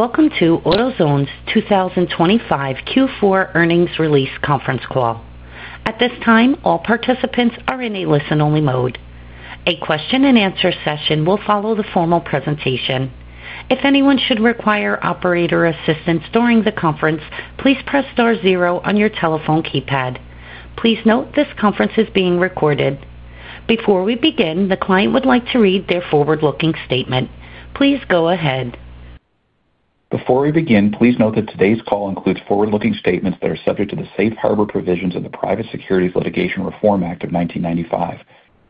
Welcome to AutoZone's 2025 Q4 Earnings Release Conference Call. At this time, all participants are in a listen-only mode. A question-and-answer session will follow the formal presentation. If anyone should require operator assistance during the conference, please press star zero on your telephone keypad. Please note this conference is being recorded. Before we begin, the client would like to read their forward-looking statement. Please go ahead. Before we begin, please note that today's call includes forward-looking statements that are subject to the Safe Harbor provisions of the Private Securities Litigation Reform Act of 1995.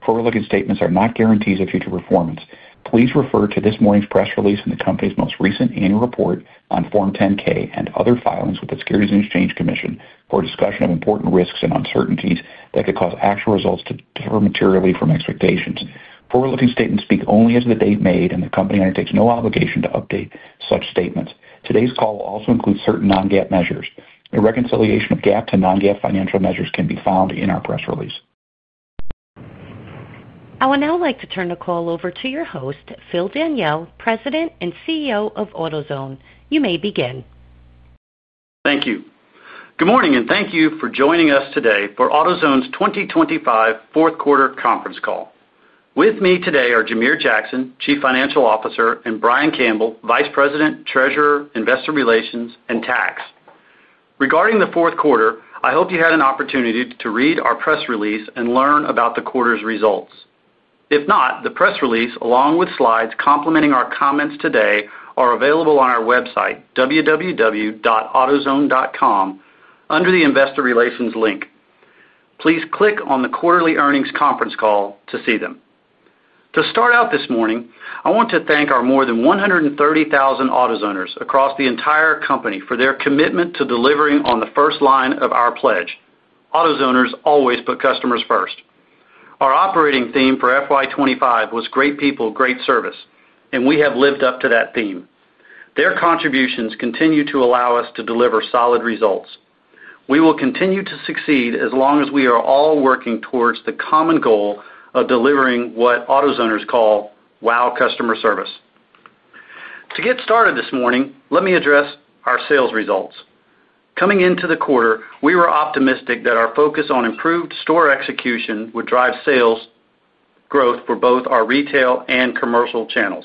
Forward-looking statements are not guarantees of future performance. Please refer to this morning's press release and the company's most recent annual report on Form 10-K and other filings with the Securities and Exchange Commission for a discussion of important risks and uncertainties that could cause actual results to differ materially from expectations. Forward-looking statements speak only as they are made, and the company undertakes no obligation to update such statements. Today's call will also include certain non-GAAP measures. A reconciliation of GAAP to non-GAAP financial measures can be found in our press release. I would now like to turn the call over to your host, Phil Daniele, President and CEO of AutoZone. You may begin. Thank you. Good morning and thank you for joining us today for AutoZone's 2025 Fourth Quarter Conference Call. With me today are Jamere Jackson, Chief Financial Officer, and Brian Campbell, Vice President, Treasurer, Investor Relations, and Tax. Regarding the fourth quarter, I hope you had an opportunity to read our press release and learn about the quarter's results. If not, the press release, along with slides complementing our comments today, are available on our website, www.autozone.com, under the Investor Relations link. Please click on the Quarterly Earnings Conference Call to see them. To start out this morning, I want to thank our more than 130,000 AutoZoners across the entire company for their commitment to delivering on the first line of our pledge: AutoZoners always put customers first. Our operating theme for FY 2025 was "Great People, Great Service," and we have lived up to that theme. Their contributions continue to allow us to deliver solid results. We will continue to succeed as long as we are all working towards the common goal of delivering what AutoZoners call "Wow Customer Service." To get started this morning, let me address our sales results. Coming into the quarter, we were optimistic that our focus on improved store execution would drive sales growth for both our retail and commercial channels.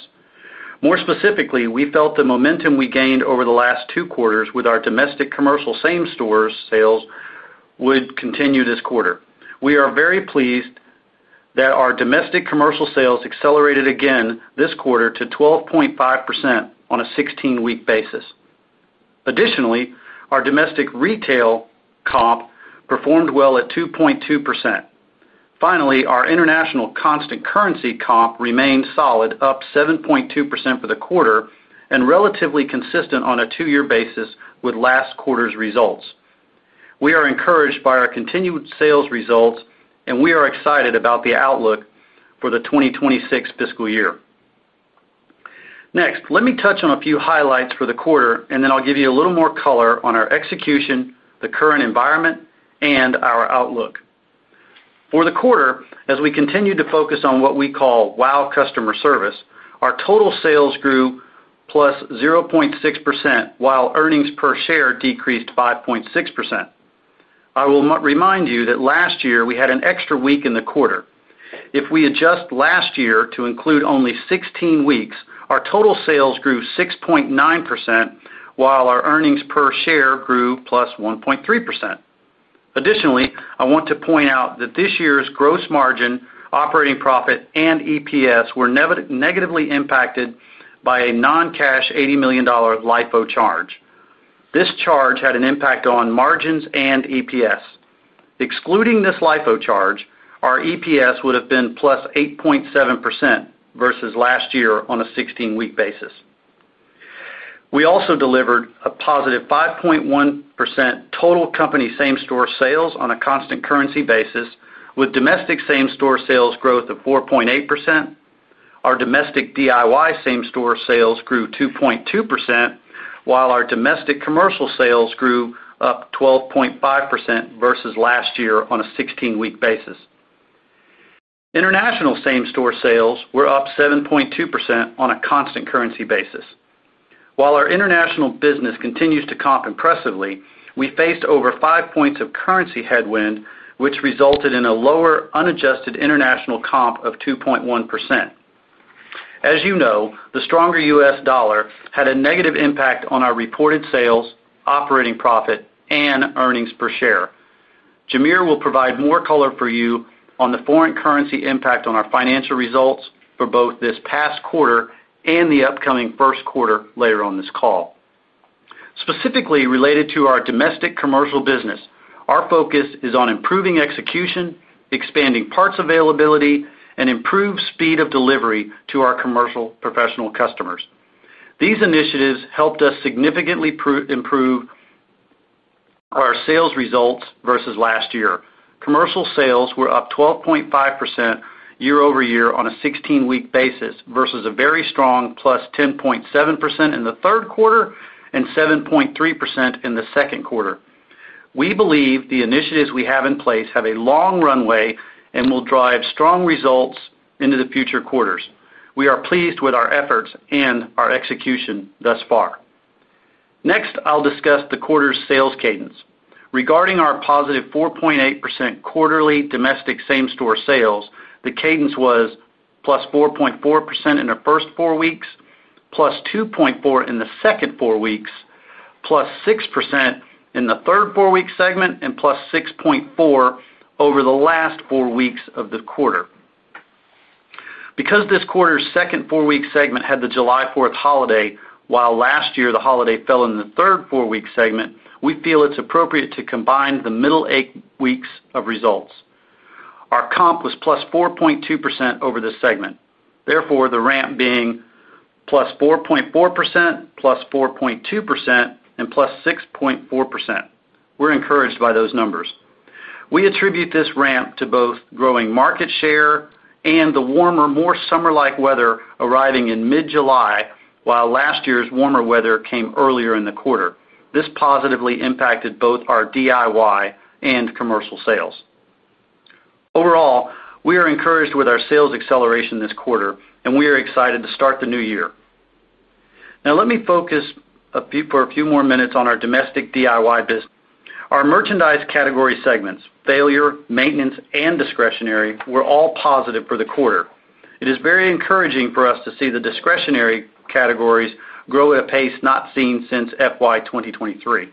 More specifically, we felt the momentum we gained over the last two quarters with our domestic commercial same-store sales would continue this quarter. We are very pleased that our domestic commercial sales accelerated again this quarter to 12.5% on a 16-week basis. Additionally, our domestic retail comp performed well at 2.2%. Finally, our international constant currency comp remained solid, up 7.2% for the quarter, and relatively consistent on a two-year basis with last quarter's results. We are encouraged by our continued sales results, and we are excited about the outlook for the 2026 fiscal year. Next, let me touch on a few highlights for the quarter, and then I'll give you a little more color on our execution, the current environment, and our outlook. For the quarter, as we continue to focus on what we call "Wow Customer Service," our total sales grew +0.6% while earnings per share decreased 5.6%. I will remind you that last year we had an extra week in the quarter. If we adjust last year to include only 16 weeks, our total sales grew 6.9% while our earnings per share grew +1.3%. Additionally, I want to point out that this year's gross margin, operating profit, and EPS were negatively impacted by a non-cash $80 million LIFO charge. This charge had an impact on margins and EPS. Excluding this LIFO charge, our EPS would have been plus 8.7% versus last year on a 16-week basis. We also delivered a +5.1% total company same-store sales on a constant currency basis, with domestic same-store sales growth of 4.8%. Our domestic DIY same-store sales grew 2.2% while our domestic commercial sales grew up 12.5% versus last year on a 16-week basis. International same-store sales were up 7.2% on a constant currency basis. While our international business continues to comp impressively, we faced over 5 points of currency headwind, which resulted in a lower unadjusted international comp of 2.1%. As you know, the stronger U.S. dollar had a negative impact on our reported sales, operating profit, and earnings per share. Jamere will provide more color for you on the foreign currency impact on our financial results for both this past quarter and the upcoming first quarter later on this call. Specifically related to our domestic commercial business, our focus is on improving execution, expanding parts availability, and improved speed of delivery to our commercial professional customers. These initiatives helped us significantly improve our sales results versus last year. Commercial sales were up 12.5% year-over-year on a 16-week basis versus a very strong +10.7% in the third quarter and 7.3% in the second quarter. We believe the initiatives we have in place have a long runway and will drive strong results into the future quarters. We are pleased with our efforts and our execution thus far. Next, I'll discuss the quarter's sales cadence. Regarding our +4.8% quarterly domestic same-store sales, the cadence was +4.4% in the first four weeks, +2.4% in the second four weeks, +6% in the third four-week segment, and +6.4% over the last four weeks of the quarter. Because this quarter's second four-week segment had the July 4th holiday, while last year the holiday fell in the third four-week segment, we feel it's appropriate to combine the middle eight weeks of results. Our comp was +4.2% over this segment. Therefore, the ramp being +4.4%, +4.2%, and +6.4%. We're encouraged by those numbers. We attribute this ramp to both growing market share and the warmer, more summer-like weather arriving in mid-July, while last year's warmer weather came earlier in the quarter. This positively impacted both our DIY and commercial sales. Overall, we are encouraged with our sales acceleration this quarter, and we are excited to start the new year. Now, let me focus for a few more minutes on our domestic DIY business. Our merchandise category segments: failure, maintenance, and discretionary were all positive for the quarter. It is very encouraging for us to see the discretionary categories grow at a pace not seen since FY 2023.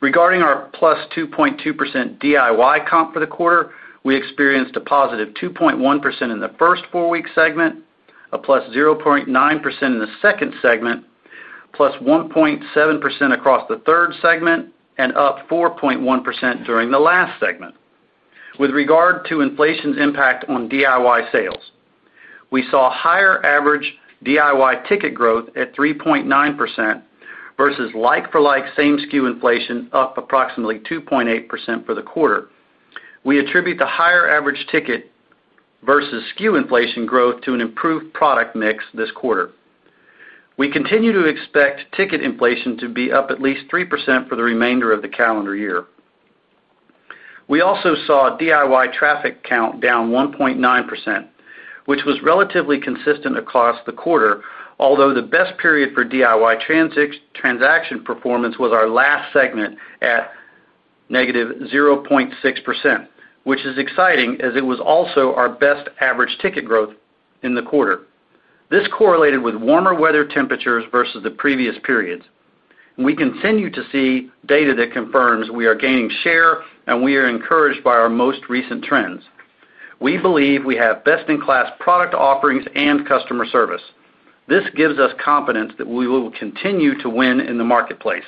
Regarding our +2.2% DIY comp for the quarter, we experienced a +2.1% in the first four-week segment, a +0.9% in the second segment, +1.7% across the third segment, and up 4.1% during the last segment. With regard to inflation's impact on DIY sales, we saw higher average DIY ticket growth at 3.9% versus like-for-like same SKU inflation up approximately 2.8% for the quarter. We attribute the higher average ticket versus SKU inflation growth to an improved product mix this quarter. We continue to expect ticket inflation to be up at least 3% for the remainder of the calendar year. We also saw DIY traffic count down 1.9%, which was relatively consistent across the quarter, although the best period for DIY transaction performance was our last segment at -0.6%, which is exciting as it was also our best average ticket growth in the quarter. This correlated with warmer weather temperatures versus the previous periods. We continue to see data that confirms we are gaining share and we are encouraged by our most recent trends. We believe we have best-in-class product offerings and customer service. This gives us confidence that we will continue to win in the marketplace.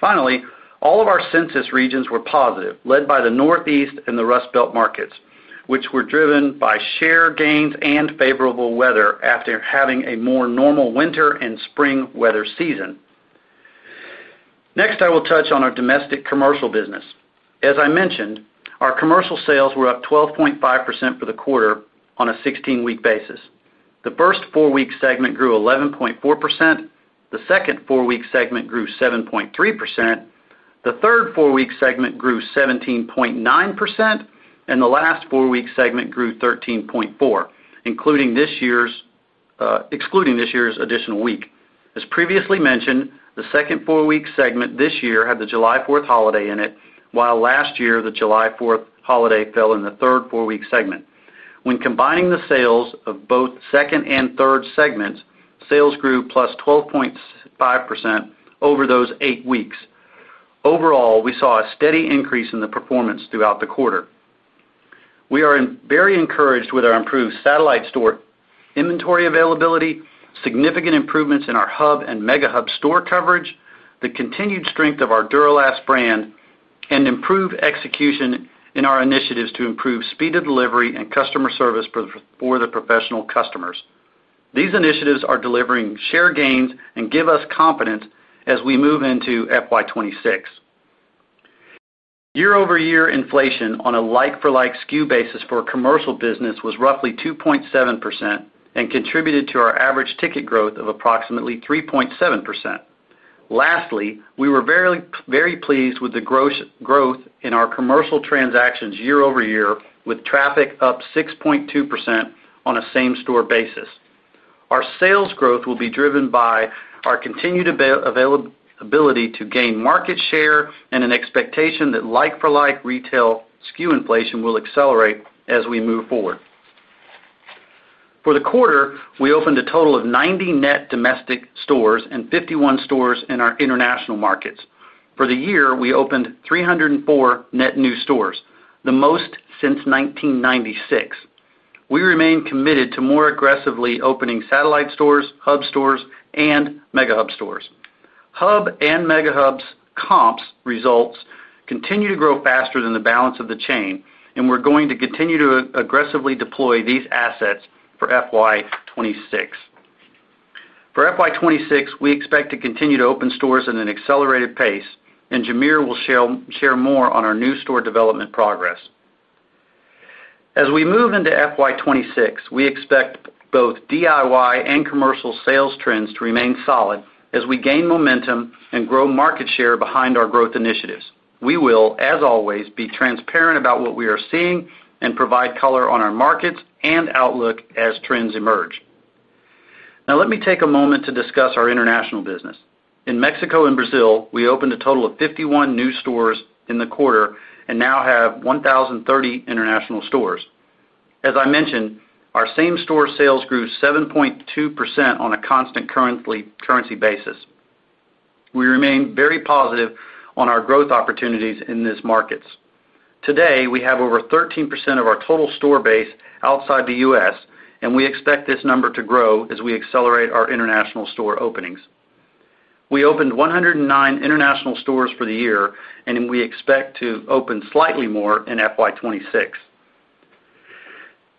Finally, all of our census regions were positive, led by the Northeast and the Rust Belt markets, which were driven by share gains and favorable weather after having a more normal winter and spring weather season. Next, I will touch on our domestic commercial business. As I mentioned, our commercial sales were up 12.5% for the quarter on a 16-week basis. The first four-week segment grew 11.4%, the second four-week segment grew 7.3%, the third four-week segment grew 17.9%, and the last four-week segment grew 13.4%, including this year's additional week. As previously mentioned, the second four-week segment this year had the July 4th holiday in it, while last year the July 4th holiday fell in the third four-week segment. When combining the sales of both second and third segments, sales grew +12.5% over those eight weeks. Overall, we saw a steady increase in the performance throughout the quarter. We are very encouraged with our improved satellite store inventory availability, significant improvements in our hub and megahub store coverage, the continued strength of our Duralast brand, and improved execution in our initiatives to improve speed of delivery and customer service for the professional customers. These initiatives are delivering share gains and give us confidence as we move into FY 2026. Year-over-year inflation on a like-for-like SKU basis for commercial business was roughly 2.7% and contributed to our average ticket growth of approximately 3.7%. Lastly, we were very pleased with the growth in our commercial transactions year-over-year, with traffic up 6.2% on a same-store basis. Our sales growth will be driven by our continued availability to gain market share and an expectation that like-for-like retail SKU inflation will accelerate as we move forward. For the quarter, we opened a total of 90 net domestic stores and 51 stores in our international markets. For the year, we opened 304 net new stores, the most since 1996. We remain committed to more aggressively opening satellite stores, hub stores, and megahub stores. Hub and megahub comps results continue to grow faster than the balance of the chain, and we are going to continue to aggressively deploy these assets for FY 2026. For FY 2026, we expect to continue to open stores at an accelerated pace, and Jamere will share more on our new store development progress. As we move into FY 2026, we expect both DIY and commercial sales trends to remain solid as we gain momentum and grow market share behind our growth initiatives. We will, as always, be transparent about what we are seeing and provide color on our markets and outlook as trends emerge. Now, let me take a moment to discuss our international business. In Mexico and Brazil, we opened a total of 51 new stores in the quarter and now have 1,030 international stores. As I mentioned, our same-store sales grew 7.2% on a constant currency basis. We remain very positive on our growth opportunities in these markets. Today, we have over 13% of our total store base outside the U.S., and we expect this number to grow as we accelerate our international store openings. We opened 109 international stores for the year, and we expect to open slightly more in FY 2026.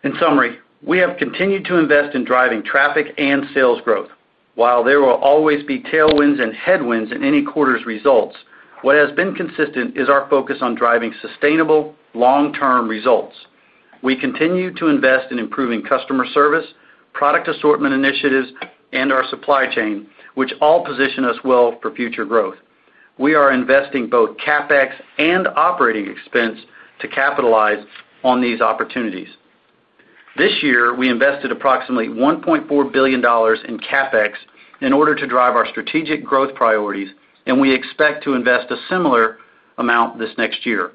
In summary, we have continued to invest in driving traffic and sales growth. While there will always be tailwinds and headwinds in any quarter's results, what has been consistent is our focus on driving sustainable, long-term results. We continue to invest in improving customer service, product assortment initiatives, and our supply chain, which all position us well for future growth. We are investing both CapEx and operating expense to capitalize on these opportunities. This year, we invested approximately $1.4 billion in CapEx in order to drive our strategic growth priorities, and we expect to invest a similar amount this next year.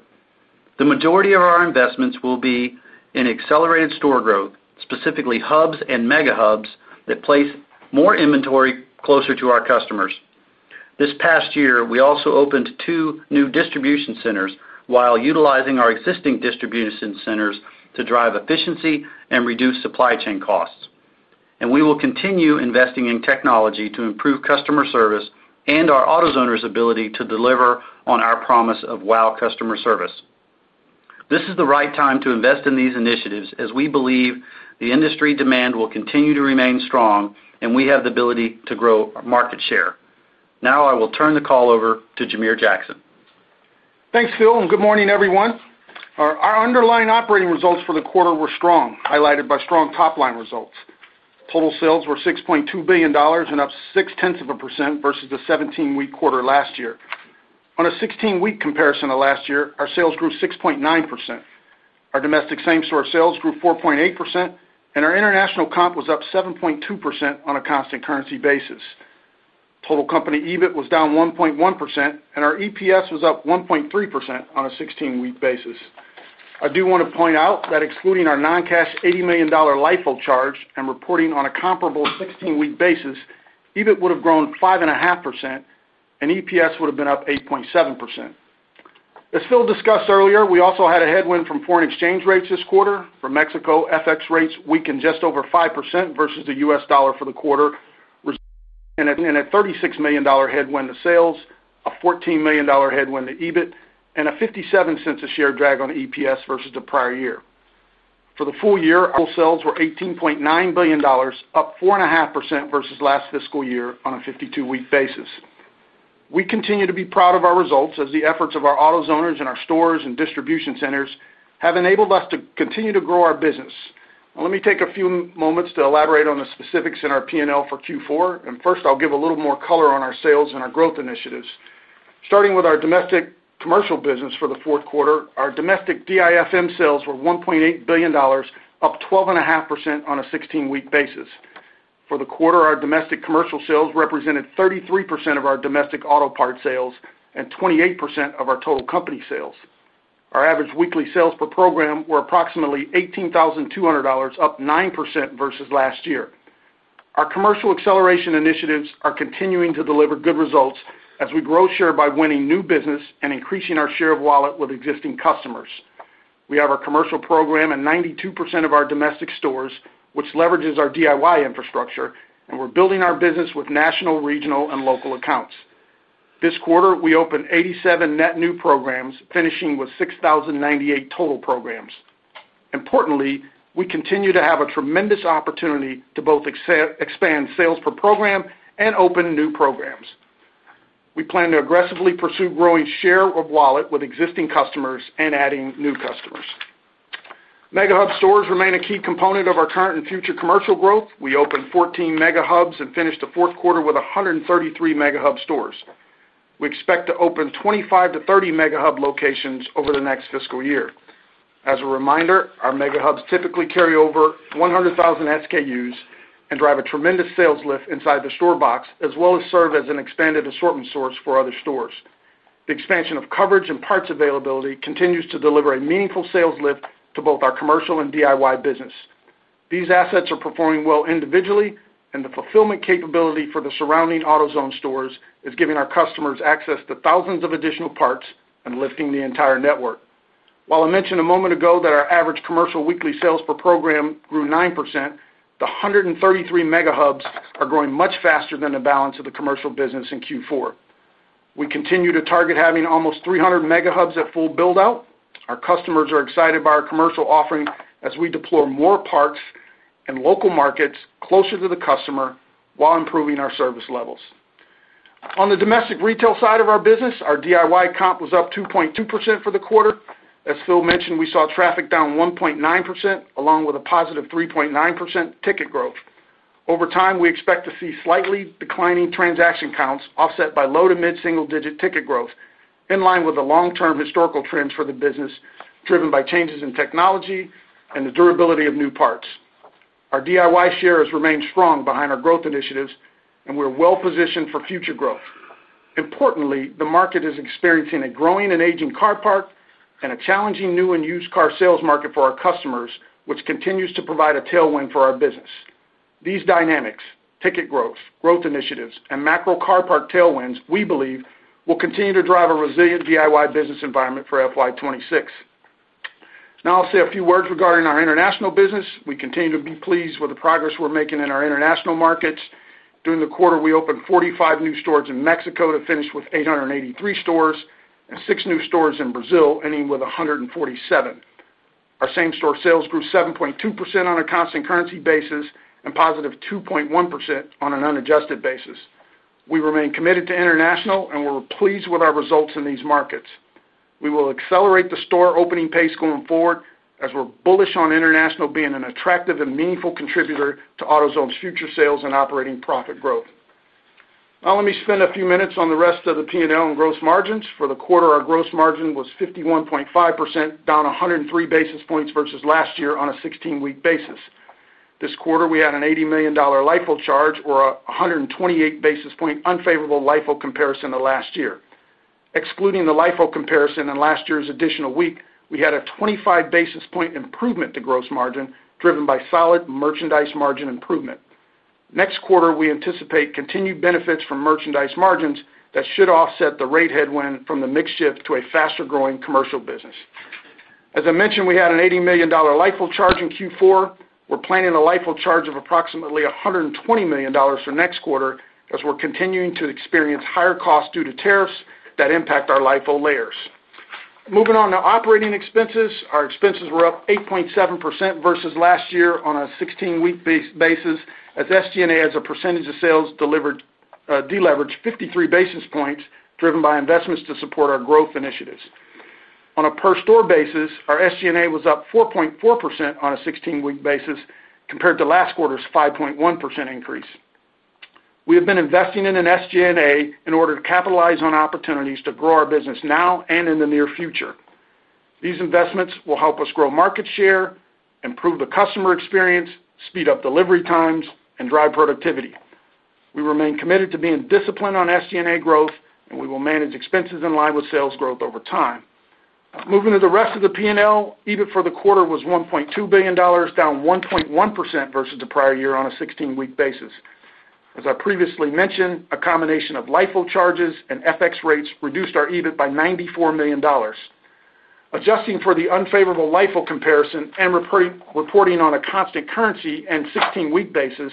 The majority of our investments will be in accelerated store growth, specifically hubs and megahubs that place more inventory closer to our customers. This past year, we also opened two new distribution centers while utilizing our existing distribution centers to drive efficiency and reduce supply chain costs. We will continue investing in technology to improve customer service and our AutoZoners' ability to deliver on our promise of "Wow Customer Service." This is the right time to invest in these initiatives as we believe the industry demand will continue to remain strong, and we have the ability to grow market share. Now, I will turn the call over to Jamere Jackson. Thanks, Phil, and good morning, everyone. Our underlying operating results for the quarter were strong, highlighted by strong top-line results. Total sales were $6.2 billion and up 0.6% versus the 17-week quarter last year. On a 16-week comparison to last year, our sales grew 6.9%. Our domestic same-store sales grew 4.8%, and our international comp was up 7.2% on a constant currency basis. Total company EBIT was down 1.1%, and our EPS was up 1.3% on a 16-week basis. I do want to point out that excluding our non-cash $80 million LIFO charge and reporting on a comparable 16-week basis, EBIT would have grown 5.5% and EPS would have been up 8.7%. As Phil discussed earlier, we also had a headwind from foreign exchange rates this quarter. For Mexico, FX rates weakened just over 5% versus the U.S. dollar for the quarter, and a $36 million headwind to sales, a $14 million headwind to EBIT, and a $0.57 a share drag on EPS versus the prior year. For the full year, our sales were $18.9 billion, up 4.5% versus last fiscal year on a 52-week basis. We continue to be proud of our results as the efforts of our AutoZoners in our stores and distribution centers have enabled us to continue to grow our business. Let me take a few moments to elaborate on the specifics in our P&L for Q4, and first, I'll give a little more color on our sales and our growth initiatives. Starting with our domestic commercial business for the fourth quarter, our domestic DIFM sales were $1.8 billion, up 12.5% on a 16-week basis. For the quarter, our domestic commercial sales represented 33% of our domestic auto part sales and 28% of our total company sales. Our average weekly sales per program were approximately $18,200, up 9% versus last year. Our commercial acceleration initiatives are continuing to deliver good results as we grow share by winning new business and increasing our share of wallet with existing customers. We have our commercial program in 92% of our domestic stores, which leverages our DIY infrastructure, and we're building our business with national, regional, and local accounts. This quarter, we opened 87 net new programs, finishing with 6,098 total programs. Importantly, we continue to have a tremendous opportunity to both expand sales per program and open new programs. We plan to aggressively pursue growing share of wallet with existing customers and adding new customers. Megahub stores remain a key component of our current and future commercial growth. We opened 14 megahubs and finished the fourth quarter with 133 megahub stores. We expect to open 25-30 megahub locations over the next fiscal year. As a reminder, our megahubs typically carry over 100,000 SKUs and drive a tremendous sales lift inside the store box, as well as serve as an expanded assortment source for other stores. The expansion of coverage and parts availability continues to deliver a meaningful sales lift to both our commercial and DIY business. These assets are performing well individually, and the fulfillment capability for the surrounding AutoZone stores is giving our customers access to thousands of additional parts and lifting the entire network. While I mentioned a moment ago that our average commercial weekly sales per program grew 9%, the 133 megahubs are growing much faster than the balance of the commercial business in Q4. We continue to target having almost 300 megahubs at full build-out. Our customers are excited by our commercial offering as we deploy more parts and local markets closer to the customer while improving our service levels. On the domestic retail side of our business, our DIY comp was up 2.2% for the quarter. As Phil mentioned, we saw traffic down 1.9%, along with a +3.9% ticket growth. Over time, we expect to see slightly declining transaction counts offset by low to mid-single-digit ticket growth, in line with the long-term historical trends for the business, driven by changes in technology and the durability of new parts. Our DIY share has remained strong behind our growth initiatives, and we're well-positioned for future growth. Importantly, the market is experiencing a growing and aging car park and a challenging new and used car sales market for our customers, which continues to provide a tailwind for our business. These dynamics, ticket growth, growth initiatives, and macro car park tailwinds, we believe, will continue to drive a resilient DIY business environment for FY 2026. Now, I'll say a few words regarding our international business. We continue to be pleased with the progress we're making in our international markets. During the quarter, we opened 45 new stores in Mexico to finish with 883 stores and six new stores in Brazil, ending with 147. Our same-store sales grew 7.2% on a constant currency basis and +2.1% on an unadjusted basis. We remain committed to international, and we're pleased with our results in these markets. We will accelerate the store opening pace going forward as we're bullish on international being an attractive and meaningful contributor to AutoZone's future sales and operating profit growth. Now, let me spend a few minutes on the rest of the P&L and gross margins. For the quarter, our gross margin was 51.5%, down 103 basis points versus last year on a 16-week basis. This quarter, we had an $80 million LIFO charge, or a 128 basis point unfavorable LIFO comparison to last year. Excluding the LIFO comparison and last year's additional week, we had a 25 basis point improvement to gross margin, driven by solid merchandise margin improvement. Next quarter, we anticipate continued benefits from merchandise margins that should offset the rate headwind from the mix shift to a faster-growing commercial business. As I mentioned, we had an $80 million LIFO charge in Q4. We're planning a LIFO charge of approximately $120 million for next quarter as we're continuing to experience higher costs due to tariffs that impact our LIFO layers. Moving on to operating expenses, our expenses were up 8.7% versus last year on a 16-week basis as SG&A as a percentage of sales delivered deleveraged 53 basis points, driven by investments to support our growth initiatives. On a per-store basis, our SG&A was up 4.4% on a 16-week basis compared to last quarter's 5.1% increase. We have been investing in SG&A in order to capitalize on opportunities to grow our business now and in the near future. These investments will help us grow market share, improve the customer experience, speed up delivery times, and drive productivity. We remain committed to being disciplined on SG&A growth, and we will manage expenses in line with sales growth over time. Moving to the rest of the P&L, EBIT for the quarter was $1.2 billion, down 1.1% versus the prior year on a 16-week basis. As I previously mentioned, a combination of LIFO charges and FX rates reduced our EBIT by $94 million. Adjusting for the unfavorable LIFO comparison and reporting on a constant currency and 16-week basis,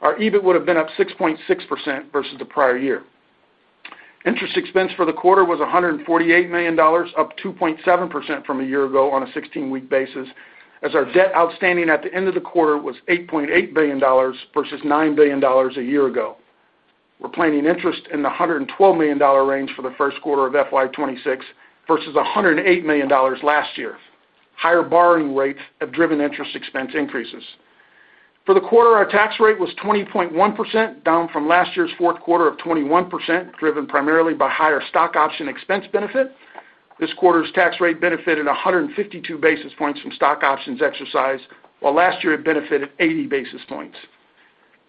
our EBIT would have been up 6.6% versus the prior year. Interest expense for the quarter was $148 million, up 2.7% from a year ago on a 16-week basis, as our debt outstanding at the end of the quarter was $8.8 billion versus $9 billion a year ago. We're planning interest in the $112 million range for the first quarter of FY 2026 versus $108 million last year. Higher borrowing rates have driven interest expense increases. For the quarter, our tax rate was 20.1%, down from last year's fourth quarter of 21%, driven primarily by higher stock option expense benefit. This quarter's tax rate benefited 152 basis points from stock options exercise, while last year it benefited 80 basis points.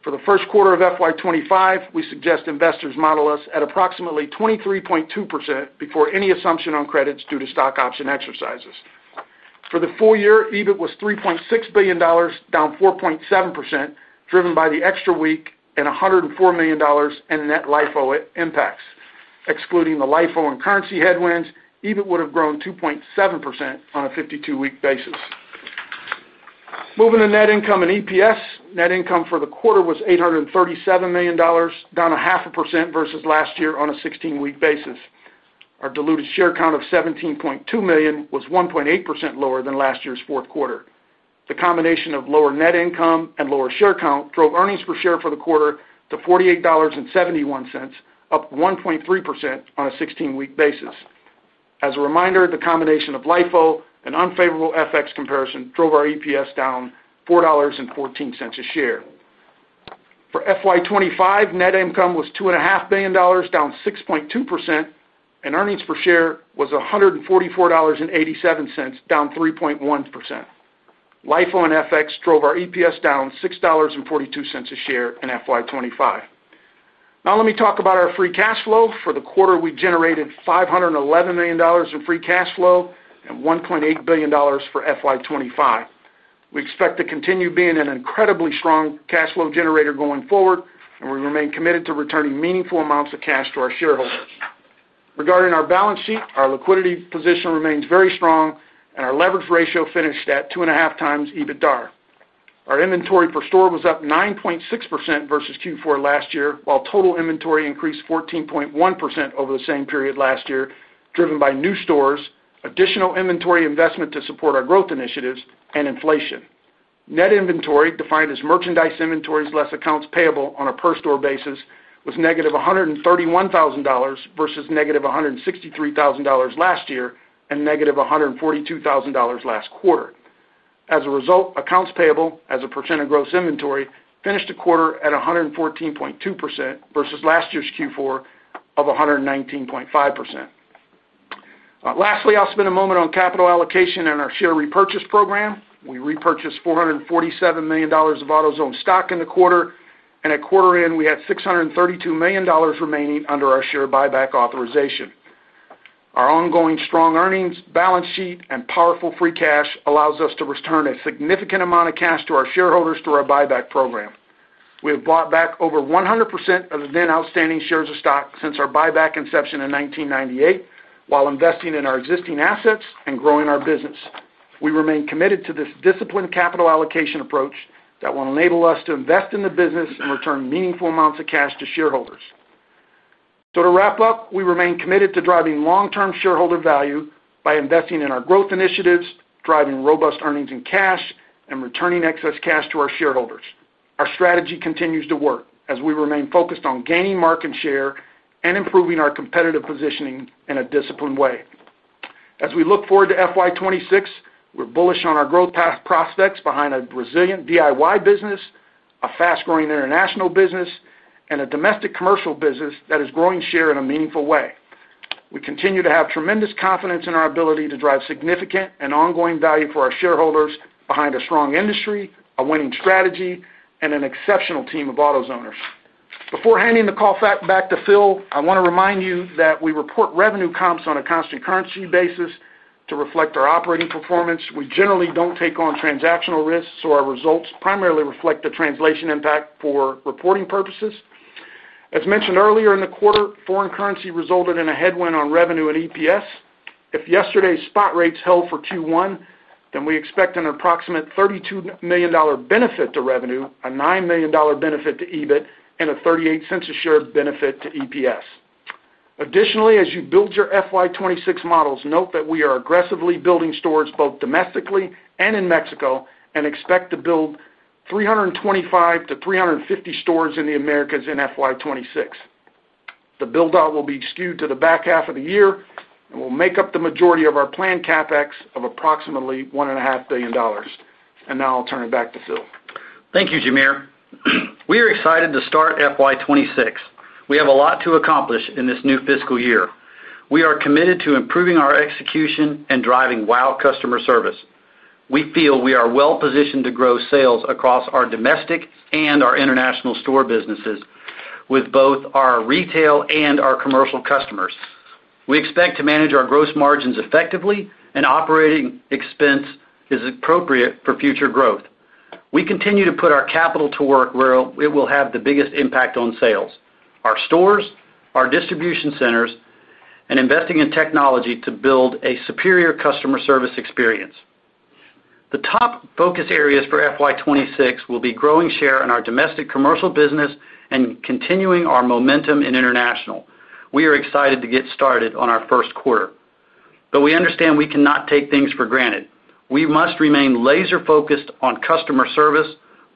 For the first quarter of FY 2025, we suggest investors model us at approximately 23.2% before any assumption on credits due to stock option exercises. For the full year, EBIT was $3.6 billion, down 4.7%, driven by the extra week and $104 million in net LIFO impacts. Excluding the LIFO and currency headwinds, EBIT would have grown 2.7% on a 52-week basis. Moving to net income and EPS, net income for the quarter was $837 million, down 0.5% versus last year on a 16-week basis. Our diluted share count of 17.2 million was 1.8% lower than last year's fourth quarter. The combination of lower net income and lower share count drove earnings per share for the quarter to $48.71, up 1.3% on a 16-week basis. As a reminder, the combination of LIFO and unfavorable FX comparison drove our EPS down $4.14 a share. For FY 2025, net income was $2.5 billion, down 6.2%, and earnings per share was $144.87, down 3.1%. LIFO and FX drove our EPS down $6.42 a share in FY 2025. Now, let me talk about our free cash flow. For the quarter, we generated $511 million in free cash flow and $1.8 billion for FY 2025. We expect to continue being an incredibly strong cash flow generator going forward, and we remain committed to returning meaningful amounts of cash to our shareholders. Regarding our balance sheet, our liquidity position remains very strong, and our leverage ratio finished at 2.5x EBITDA. Our inventory per store was up 9.6% versus Q4 last year, while total inventory increased 14.1% over the same period last year, driven by new stores, additional inventory investment to support our growth initiatives, and inflation. Net inventory, defined as merchandise inventories less accounts payable on a per-store basis, was -$131,000 versus -$163,000 last year and -$142,000 last quarter. As a result, accounts payable, as a percent of gross inventory, finished the quarter at 114.2% versus last year's Q4 of 119.5%. Lastly, I'll spend a moment on capital allocation and our share repurchase program. We repurchased $447 million of AutoZone stock in the quarter, and at quarter end, we had $632 million remaining under our share buyback authorization. Our ongoing strong earnings, balance sheet, and powerful free cash allow us to return a significant amount of cash to our shareholders through our buyback program. We have bought back over 100% of the then outstanding shares of stock since our buyback inception in 1998, while investing in our existing assets and growing our business. We remain committed to this disciplined capital allocation approach that will enable us to invest in the business and return meaningful amounts of cash to shareholders. To wrap up, we remain committed to driving long-term shareholder value by investing in our growth initiatives, driving robust earnings and cash, and returning excess cash to our shareholders. Our strategy continues to work as we remain focused on gaining market share and improving our competitive positioning in a disciplined way. As we look forward to FY 2026, we're bullish on our growth prospects behind a resilient DIY business, a fast-growing international business, and a domestic commercial business that is growing share in a meaningful way. We continue to have tremendous confidence in our ability to drive significant and ongoing value for our shareholders behind a strong industry, a winning strategy, and an exceptional team of AutoZoners. Before handing the call back to Phil, I want to remind you that we report revenue comps on a constant currency basis to reflect our operating performance. We generally don't take on transactional risks, so our results primarily reflect the translation impact for reporting purposes. As mentioned earlier in the quarter, foreign currency resulted in a headwind on revenue and EPS. If yesterday's spot rates held for Q1, we expect an approximate $32 million benefit to revenue, a $9 million benefit to EBIT, and a $0.38 a share benefit to EPS. Additionally, as you build your FY 2026 models, note that we are aggressively building stores both domestically and in Mexico and expect to build 325-350 stores in the Americas in FY 2026. The build-out will be skewed to the back half of the year and will make up the majority of our planned CapEx of approximately $1.5 billion. Now I'll turn it back to Phil. Thank you, Jamere. We are excited to start FY 2026. We have a lot to accomplish in this new fiscal year. We are committed to improving our execution and driving wow customer service. We feel we are well-positioned to grow sales across our domestic and our international store businesses with both our retail and our commercial customers. We expect to manage our gross margins effectively, and operating expense is appropriate for future growth. We continue to put our capital to work where it will have the biggest impact on sales, our stores, our distribution centers, and investing in technology to build a superior customer service experience. The top focus areas for FY 2026 will be growing share in our domestic commercial business and continuing our momentum in international. We are excited to get started on our first quarter, but we understand we cannot take things for granted. We must remain laser-focused on customer service,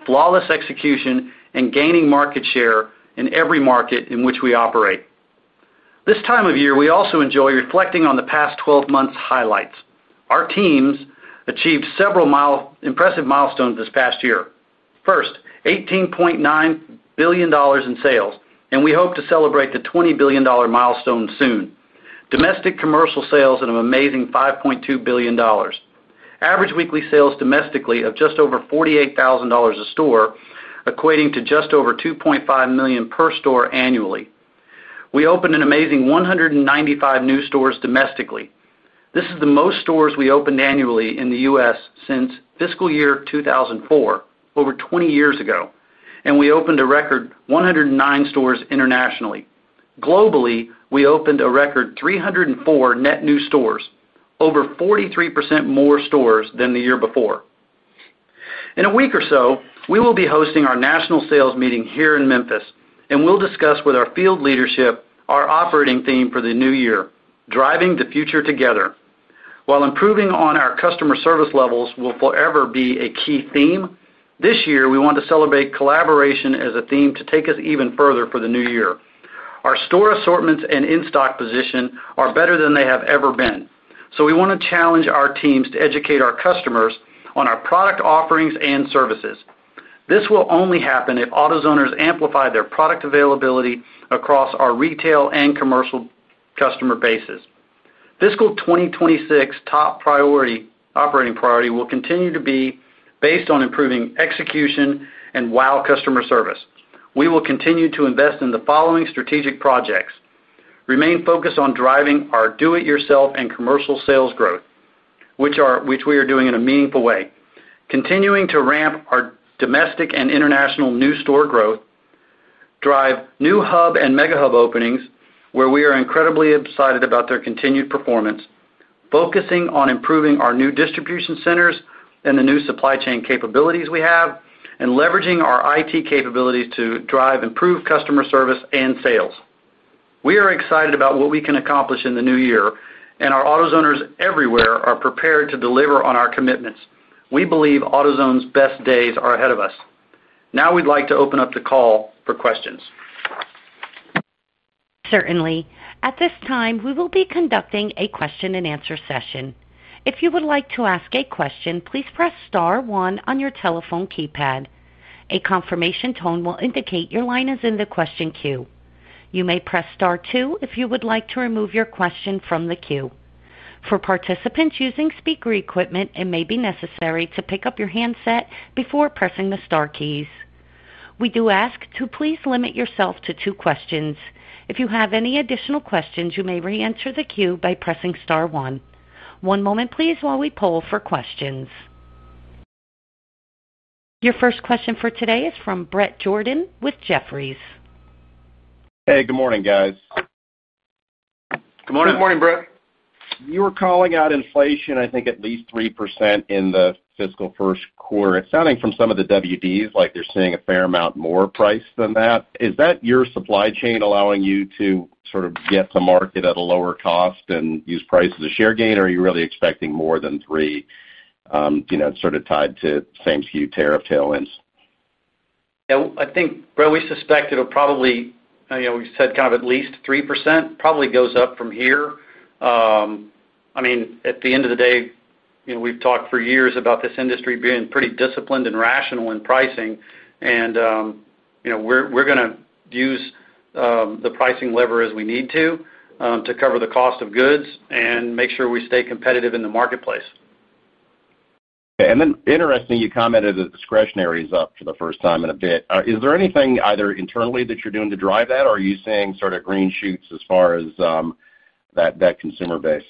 flawless execution, and gaining market share in every market in which we operate. This time of year, we also enjoy reflecting on the past 12 months' highlights. Our teams achieved several impressive milestones this past year. First, $18.9 billion in sales, and we hope to celebrate the $20 billion milestone soon. Domestic commercial sales are an amazing $5.2 billion. Average weekly sales domestically of just over $48,000 a store, equating to just over $2.5 million per store annually. We opened an amazing 195 new stores domestically. This is the most stores we opened annually in the U.S. since fiscal year 2004, over 20 years ago, and we opened a record 109 stores internationally. Globally, we opened a record 304 net new stores, over 43% more stores than the year before. In a week or so, we will be hosting our national sales meeting here in Memphis, and we'll discuss with our field leadership our operating theme for the new year, "Driving the Future Together." While improving on our customer service levels will forever be a key theme, this year we want to celebrate collaboration as a theme to take us even further for the new year. Our store assortments and in-stock position are better than they have ever been, so we want to challenge our teams to educate our customers on our product offerings and services. This will only happen if AutoZoners amplify their product availability across our retail and commercial customer bases. Fiscal 2026 top priority, operating priority will continue to be based on improving execution and wow customer service. We will continue to invest in the following strategic projects. Remain focused on driving our do-it-yourself and commercial sales growth, which we are doing in a meaningful way, continuing to ramp our domestic and international new store growth, drive new hub and megahub openings where we are incredibly excited about their continued performance, focusing on improving our new distribution centers and the new supply chain capabilities we have, and leveraging our IT capabilities to drive improved customer service and sales. We are excited about what we can accomplish in the new year, and our AutoZoners everywhere are prepared to deliver on our commitments. We believe AutoZone's best days are ahead of us. Now we'd like to open up the call for questions. Certainly. At this time, we will be conducting a question-and-answer session. If you would like to ask a question, please press star one on your telephone keypad. A confirmation tone will indicate your line is in the question queue. You may press star two if you would like to remove your question from the queue. For participants using speaker equipment, it may be necessary to pick up your handset before pressing the star keys. We do ask to please limit yourself to two questions. If you have any additional questions, you may re-enter the queue by pressing star one. One moment, please, while we poll for questions. Your first question for today is from Bret Jordan with Jefferies. Hey, good morning, guys. Good morning. Good morning, Bret. You were calling out inflation, I think at least 3% in the fiscal first quarter. It's sounding from some of the WDs like they're seeing a fair amount more price than that. Is that your supply chain allowing you to sort of get the market at a lower cost and use price as a share gain, or are you really expecting more than 3%, you know, sort of tied to same SKU tariff tailwinds? Yeah, I think, Bret, we suspect it'll probably, you know, we said kind of at least 3% probably goes up from here. I mean, at the end of the day, we've talked for years about this industry being pretty disciplined and rational in pricing, and we're going to use the pricing lever as we need to cover the cost of goods and make sure we stay competitive in the marketplace. Interestingly, you commented that discretionary is up for the first time in a bit. Is there anything either internally that you're doing to drive that, or are you seeing sort of green shoots as far as that consumer base?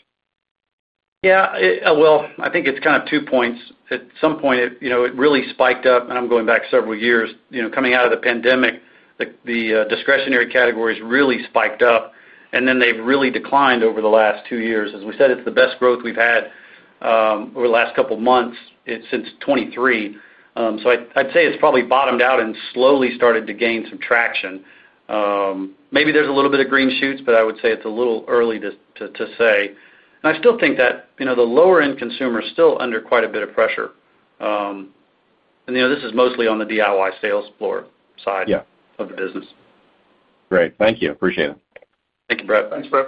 I think it's kind of two points. At some point, it really spiked up, and I'm going back several years, coming out of the pandemic, the discretionary categories really spiked up, and then they've really declined over the last two years. As we said, it's the best growth we've had over the last couple of months. It's since 2023. I'd say it's probably bottomed out and slowly started to gain some traction. Maybe there's a little bit of green shoots, but I would say it's a little early to say. I still think that the lower-end consumer is still under quite a bit of pressure. This is mostly on the DIY sales floor side of the business. Great, thank you. Appreciate it. Thank you, Bret. Thanks, Brett.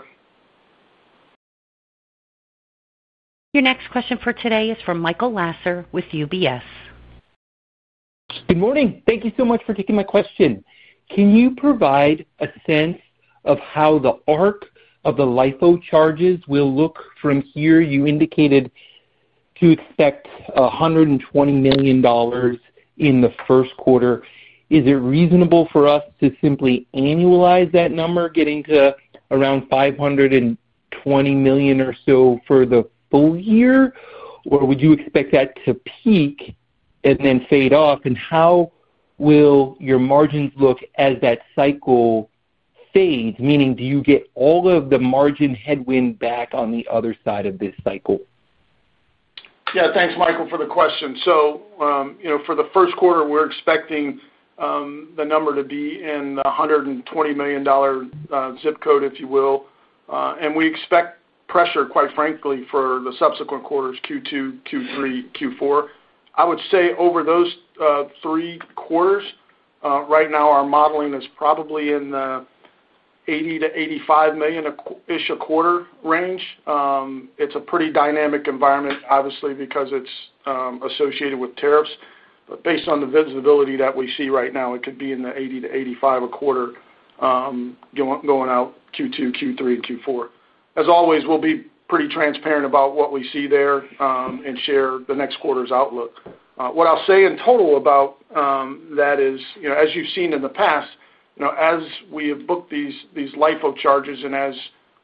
Your next question for today is from Michael Lasser with UBS. Good morning. Thank you so much for taking my question. Can you provide a sense of how the arc of the LIFO charges will look from here? You indicated to expect $120 million in the first quarter. Is it reasonable for us to simply annualize that number, getting to around $520 million or so for the full year, or would you expect that to peak and then fade off? How will your margins look as that cycle fades? Meaning, do you get all of the margin headwind back on the other side of this cycle? Yeah, thanks, Michael, for the question. For the first quarter, we're expecting the number to be in the $120 million zip code, if you will. We expect pressure, quite frankly, for the subsequent quarters, Q2, Q3, Q4. I would say over those three quarters, right now, our modeling is probably in the $80 million-$85 million a quarter range. It's a pretty dynamic environment, obviously, because it's associated with tariffs. Based on the visibility that we see right now, it could be in the $80 million-$85 million a quarter going out Q2, Q3, and Q4. As always, we'll be pretty transparent about what we see there and share the next quarter's outlook. What I'll say in total about that is, as you've seen in the past, as we have booked these LIFO charges and as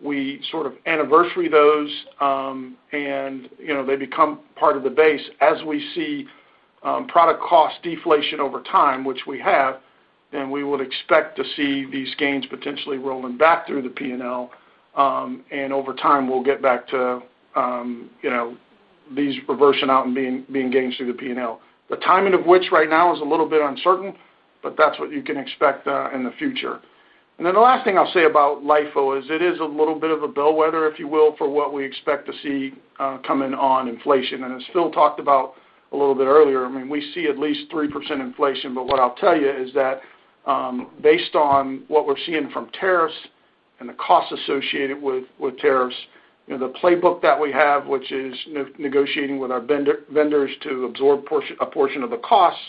we sort of anniversary those, and they become part of the base, as we see product cost deflation over time, which we have, then we would expect to see these gains potentially rolling back through the P&L. Over time, we'll get back to these reversing out and being gains through the P&L. The timing of which right now is a little bit uncertain, but that's what you can expect in the future. The last thing I'll say about LIFO is it is a little bit of a bellwether, if you will, for what we expect to see coming on inflation. As Phil talked about a little bit earlier, we see at least 3% inflation, but what I'll tell you is that based on what we're seeing from tariffs and the costs associated with tariffs, the playbook that we have, which is negotiating with our vendors to absorb a portion of the costs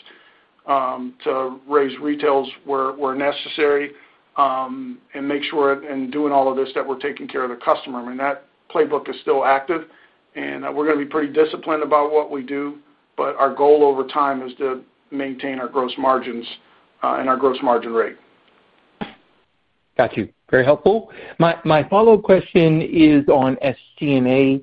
to raise retails where necessary and make sure in doing all of this that we're taking care of the customer. That playbook is still active, and we're going to be pretty disciplined about what we do, but our goal over time is to maintain our gross margins and our gross margin rate. Got you. Very helpful. My follow-up question is on SG&A.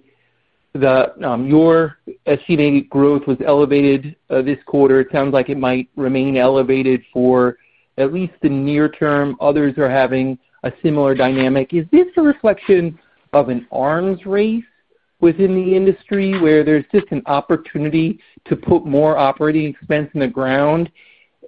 Your SG&A growth was elevated this quarter. It sounds like it might remain elevated for at least the near term. Others are having a similar dynamic. Is this a reflection of an arms race within the industry where there's just an opportunity to put more operating expense in the ground,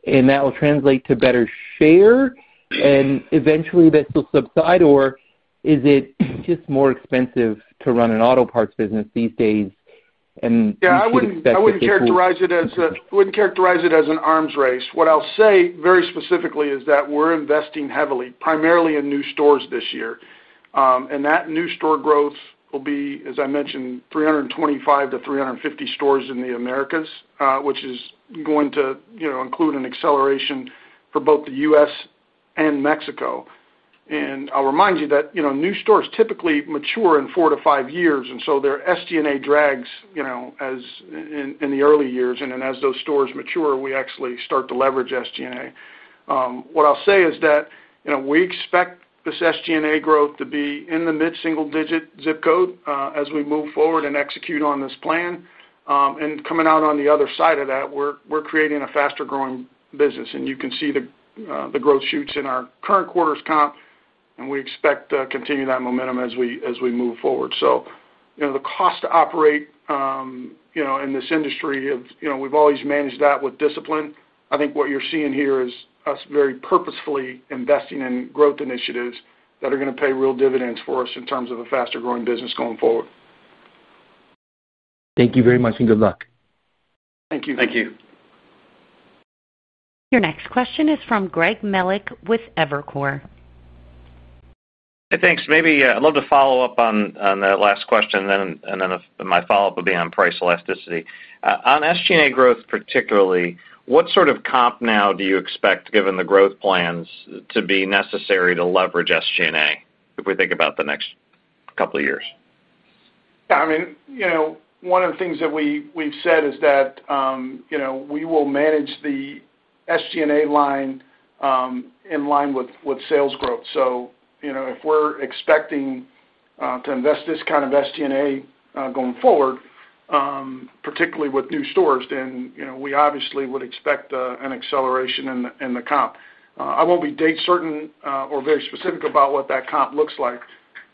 and that will translate to better share, and eventually this will subside, or is it just more expensive to run an auto parts business these days? Yeah, I wouldn't characterize it as an arms race. What I'll say very specifically is that we're investing heavily, primarily in new stores this year. That new store growth will be, as I mentioned, 325-350 stores in the Americas, which is going to include an acceleration for both the U.S. and Mexico. I'll remind you that new stores typically mature in four to five years, and so their SG&A drags in the early years, and then as those stores mature, we actually start to leverage SG&A. What I'll say is that we expect this SG&A growth to be in the mid-single-digit zip code as we move forward and execute on this plan. Coming out on the other side of that, we're creating a faster-growing business, and you can see the growth shoots in our current quarter's comp, and we expect to continue that momentum as we move forward. The cost to operate in this industry, we've always managed that with discipline. I think what you're seeing here is us very purposefully investing in growth initiatives that are going to pay real dividends for us in terms of a faster-growing business going forward. Thank you very much, and good luck. Thank you. Thank you. Your next question is from Greg Melick with Evercore. Hey, thanks. Maybe I'd love to follow up on that last question. My follow-up would be on price elasticity. On SG&A growth particularly, what sort of comp now do you expect, given the growth plans, to be necessary to leverage SG&A if we think about the next couple of years? Yeah, I mean, one of the things that we've said is that we will manage the SG&A line in line with sales growth. If we're expecting to invest this kind of SG&A going forward, particularly with new stores, then we obviously would expect an acceleration in the comp. I won't be date certain or very specific about what that comp looks like,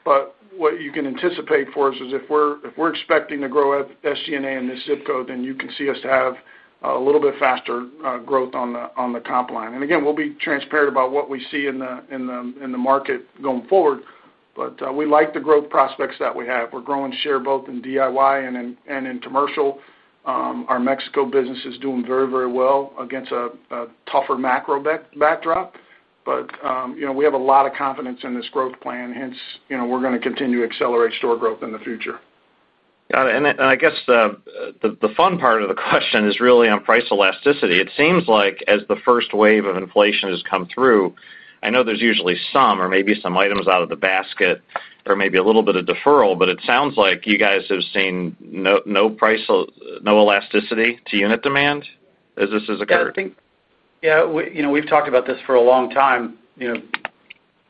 but what you can anticipate for us is if we're expecting to grow SG&A in this zip code, then you can see us have a little bit faster growth on the comp line. Again, we'll be transparent about what we see in the market going forward, but we like the growth prospects that we have. We're growing share both in DIY and in commercial. Our Mexico business is doing very, very well against a tougher macro backdrop. We have a lot of confidence in this growth plan, hence, we're going to continue to accelerate store growth in the future. Got it. I guess the fun part of the question is really on price elasticity. It seems like as the first wave of inflation has come through, I know there's usually some or maybe some items out of the basket or maybe a little bit of deferral, but it sounds like you guys have seen no price, no elasticity to unit demand as this has occurred. Yeah, I think we've talked about this for a long time.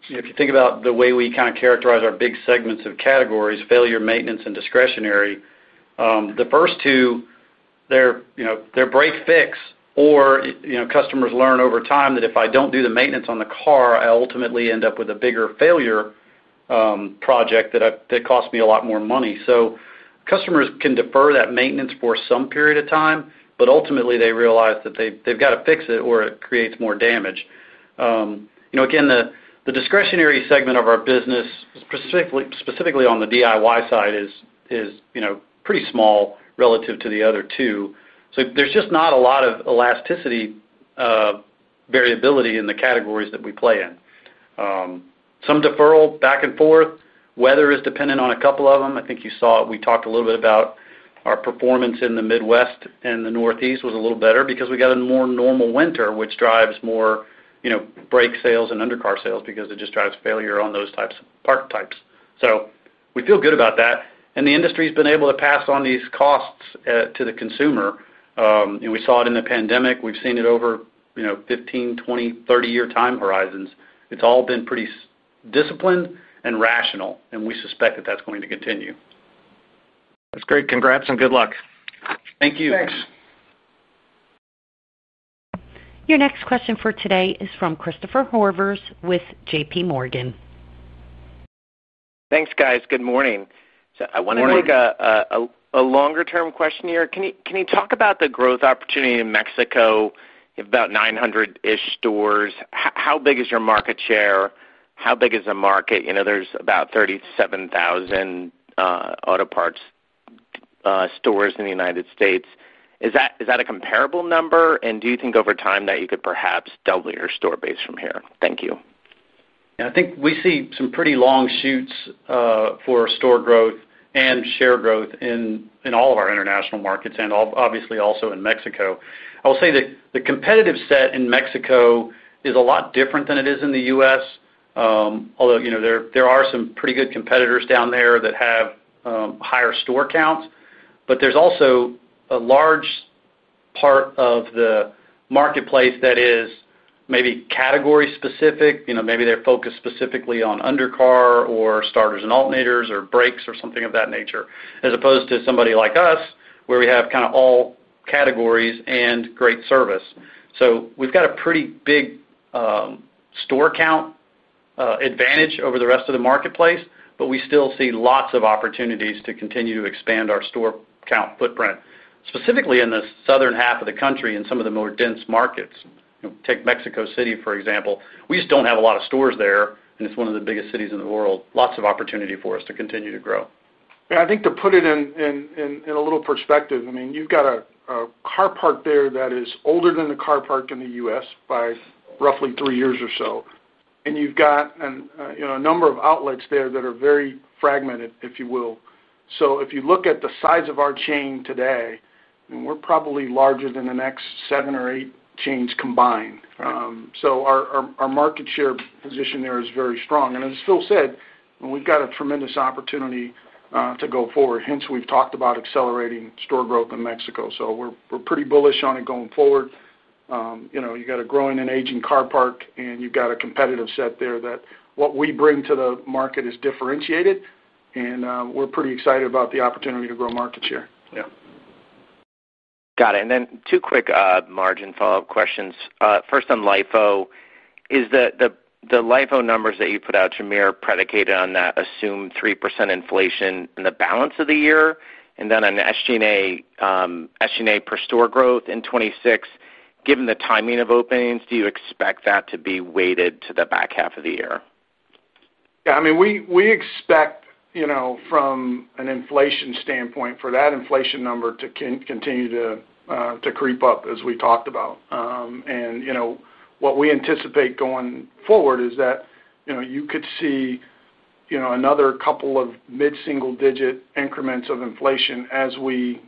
If you think about the way we kind of characterize our big segments of categories, failure, maintenance, and discretionary, the first two are break-fix, or customers learn over time that if I don't do the maintenance on the car, I ultimately end up with a bigger failure project that costs me a lot more money. Customers can defer that maintenance for some period of time, but ultimately, they realize that they've got to fix it or it creates more damage. The discretionary segment of our business, specifically on the DIY side, is pretty small relative to the other two. There's just not a lot of elasticity variability in the categories that we play in. Some deferral back and forth, weather is dependent on a couple of them. I think you saw, we talked a little bit about our performance in the Midwest and the Northeast was a little better because we got a more normal winter, which drives more brake sales and undercar sales because it just drives failure on those types of part types. We feel good about that. The industry's been able to pass on these costs to the consumer. We saw it in the pandemic. We've seen it over 15, 20, 30-year time horizons. It's all been pretty disciplined and rational, and we suspect that that's going to continue. That's great. Congrats and good luck. Thank you. Thanks. Your next question for today is from Christopher Horvers with JPMorgan. Thanks, guys. Good morning. I wanted to take a longer-term question here. Can you talk about the growth opportunity in Mexico? You have about 900-ish stores. How big is your market share? How big is the market? There's about 37,000 auto parts stores in the United States. Is that a comparable number? Do you think over time that you could perhaps double your store base from here? Thank you. Yeah, I think we see some pretty long shoots for store growth and share growth in all of our international markets and obviously also in Mexico. I will say that the competitive set in Mexico is a lot different than it is in the U.S., although, you know, there are some pretty good competitors down there that have higher store counts. There's also a large part of the marketplace that is maybe category specific. You know, maybe they're focused specifically on undercar or starters and alternators or brakes or something of that nature, as opposed to somebody like us where we have kind of all categories and great service. We've got a pretty big store count advantage over the rest of the marketplace, but we still see lots of opportunities to continue to expand our store count footprint, specifically in the southern half of the country in some of the more dense markets. Take Mexico City, for example. We just don't have a lot of stores there, and it's one of the biggest cities in the world. Lots of opportunity for us to continue to grow. Yeah, I think to put it in a little perspective, you've got a car park there that is older than the car park in the U.S. by roughly three years or so. You've got a number of outlets there that are very fragmented, if you will. If you look at the size of our chain today, we're probably larger than the next seven or eight chains combined. Our market share position there is very strong. As Phil said, we've got a tremendous opportunity to go forward, hence we've talked about accelerating store growth in Mexico. We're pretty bullish on it going forward. You've got a growing and aging car park, and you've got a competitive set there that what we bring to the market is differentiated. We're pretty excited about the opportunity to grow market share. Got it. Two quick margin follow-up questions. First on LIFO. Is the LIFO numbers that you put out, Jamere, predicated on that assume 3% inflation in the balance of the year? On SG&A per store growth in 2026, given the timing of openings, do you expect that to be weighted to the back half of the year? Yeah, I mean, we expect from an inflation standpoint for that inflation number to continue to creep up, as we talked about. What we anticipate going forward is that you could see another couple of mid-single-digit increments of inflation as we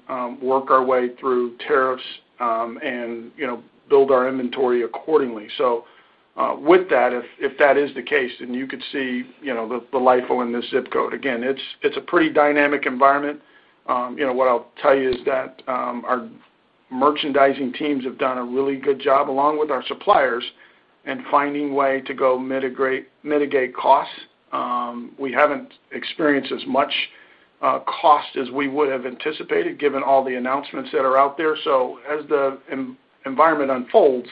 work our way through tariffs and build our inventory accordingly. If that is the case, then you could see the LIFO in this zip code. Again, it's a pretty dynamic environment. What I'll tell you is that our merchandising teams have done a really good job along with our suppliers in finding a way to go mitigate costs. We haven't experienced as much cost as we would have anticipated, given all the announcements that are out there. As the environment unfolds,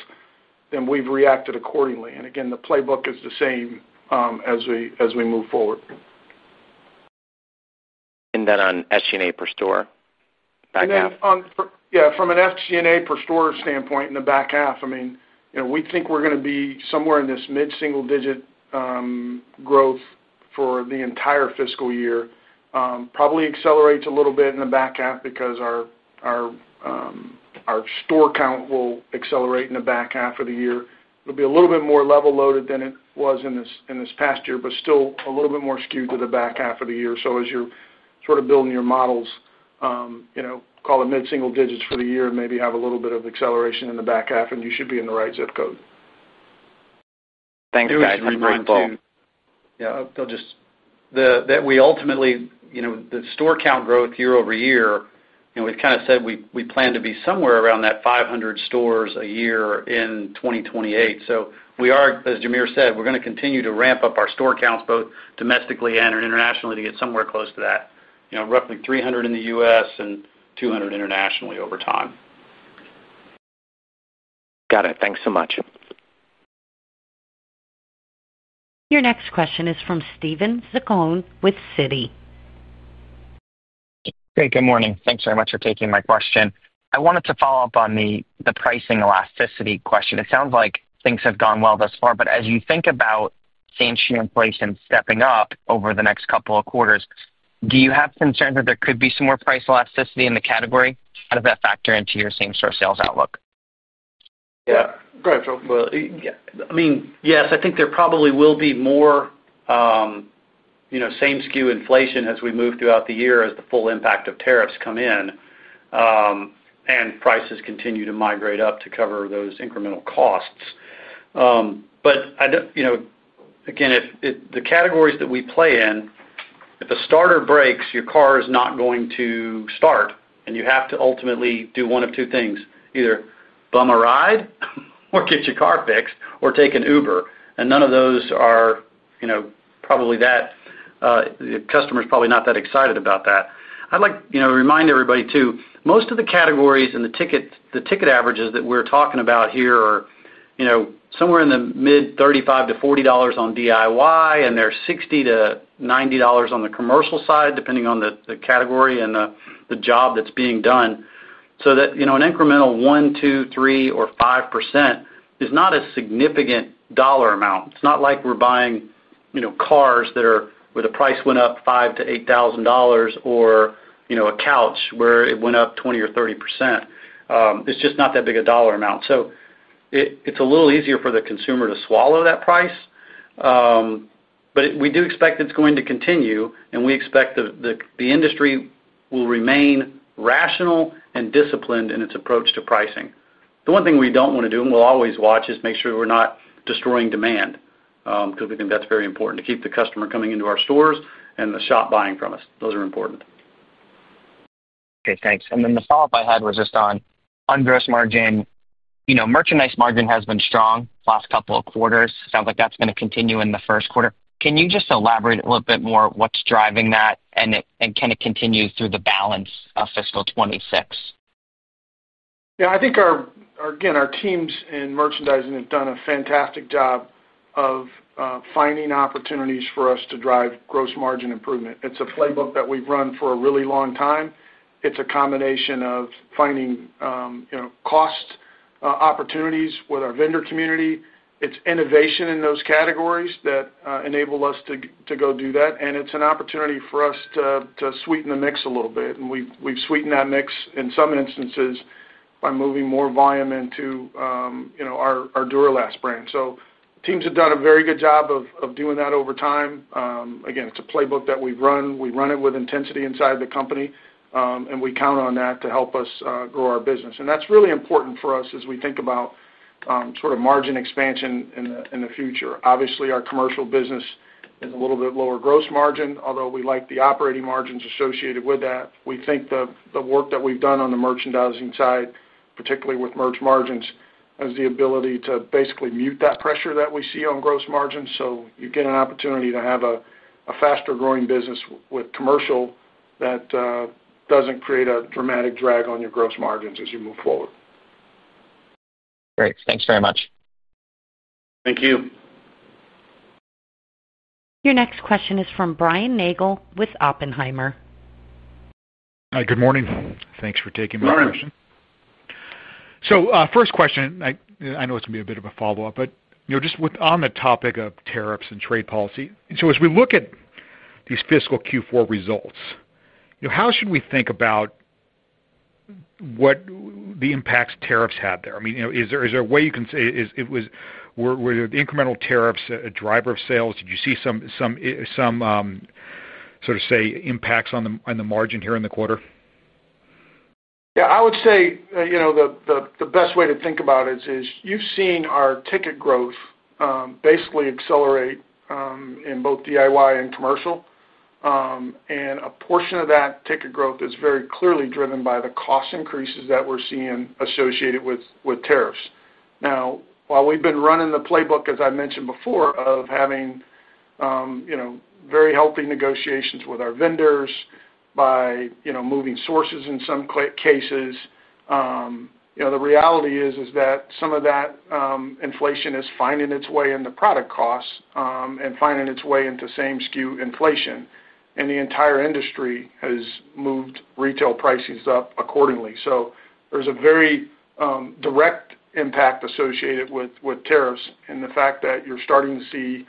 we've reacted accordingly. Again, the playbook is the same as we move forward. On SG&A per store back half? Yeah, from an SG&A per store standpoint in the back half, we think we're going to be somewhere in this mid-single-digit growth for the entire fiscal year. It probably accelerates a little bit in the back half because our store count will accelerate in the back half of the year. It'll be a little bit more level-loaded than it was in this past year, but still a little bit more skewed to the back half of the year. As you're sort of building your models, call it mid-single digits for the year and maybe have a little bit of acceleration in the back half, and you should be in the right zip code. Thanks, guys. That's really helpful. Yeah, they'll just. We ultimately, you know, the store count growth year over year, we've kind of said we plan to be somewhere around that 500 stores a year in 2028. We are, as Jamere said, going to continue to ramp up our store counts both domestically and internationally to get somewhere close to that, you know, roughly 300 in the U.S. and 200 internationally over time. Got it. Thanks so much. Your next question is from Steven Zaccone with Citi. Hey, good morning. Thanks very much for taking my question. I wanted to follow up on the pricing elasticity question. It sounds like things have gone well thus far, but as you think about same SKU inflation stepping up over the next couple of quarters, do you have concerns that there could be some more price elasticity in the category? How does that factor into your same-store sales outlook? Yeah, I mean, yes, I think there probably will be more same SKU inflation as we move throughout the year as the full impact of tariffs come in and prices continue to migrate up to cover those incremental costs. The categories that we play in, if a starter breaks, your car is not going to start, and you have to ultimately do one of two things, either bum a ride or get your car fixed or take an Uber, and none of those are probably that, the customer's probably not that excited about that. I'd like to remind everybody too, most of the categories and the ticket averages that we're talking about here are somewhere in the mid $35-$40 on DIY, and they're $60-$90 on the commercial side, depending on the category and the job that's being done. An incremental 1%, 2%, 3%, or 5% is not a significant dollar amount. It's not like we're buying cars where the price went up $5,000-$8,000 or a couch where it went up 20% or 30%. It's just not that big a dollar amount. It's a little easier for the consumer to swallow that price, but we do expect it's going to continue, and we expect the industry will remain rational and disciplined in its approach to pricing. The one thing we don't want to do, and we'll always watch, is make sure we're not destroying demand because we think that's very important to keep the customer coming into our stores and the shop buying from us. Those are important. Okay, thanks. The follow-up I had was just on gross margin. You know, merchandise margin has been strong the last couple of quarters. It sounds like that's going to continue in the first quarter. Can you just elaborate a little bit more on what's driving that and can it continue through the balance of fiscal 2026? Yeah, I think our teams in Merchandising have done a fantastic job of finding opportunities for us to drive gross margin improvement. It's a playbook that we've run for a really long time. It's a combination of finding cost opportunities with our vendor community. It's innovation in those categories that enable us to go do that, and it's an opportunity for us to sweeten the mix a little bit. We've sweetened that mix in some instances by moving more volume into our Duralast brand. Teams have done a very good job of doing that over time. It's a playbook that we've run. We run it with intensity inside the company, and we count on that to help us grow our business. That's really important for us as we think about sort of margin expansion in the future. Obviously, our Commercial sales business is a little bit lower gross margin, although we like the operating margins associated with that. We think the work that we've done on the Merchandising side, particularly with merch margins, is the ability to basically mute that pressure that we see on gross margins. You get an opportunity to have a faster-growing business with Commercial sales that doesn't create a dramatic drag on your gross margins as you move forward. Great, thanks very much. Thank you. Your next question is from Brian Nagel with Oppenheimer. Hi, good morning. Thanks for taking my question. First question, I know it's going to be a bit of a follow-up, but just on the topic of tariffs and trade policy. As we look at these fiscal Q4 results, how should we think about what the impacts tariffs have there? I mean, is there a way you can say, were the incremental tariffs a driver of sales? Did you see some sort of impacts on the margin here in the quarter? Yeah, I would say the best way to think about it is you've seen our ticket growth basically accelerate in both DIY and commercial. A portion of that ticket growth is very clearly driven by the cost increases that we're seeing associated with tariffs. While we've been running the playbook, as I mentioned before, of having very healthy negotiations with our vendors by moving sources in some cases, the reality is that some of that inflation is finding its way into product costs and finding its way into same SKU inflation. The entire industry has moved retail prices up accordingly. There is a very direct impact associated with tariffs and the fact that you're starting to see